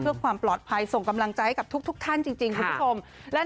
เพื่อความปลอดภัยส่งกำลังใจให้กับทุกท่านจริงคุณผู้ชม